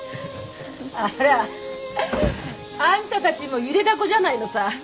あらあんたたちもゆでだこじゃないのさ。